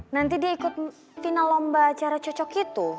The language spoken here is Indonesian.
nanti dia ikut final lomba acara cocok itu